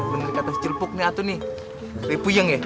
bener kata celpuk nih